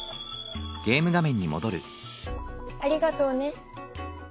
ありがとうね。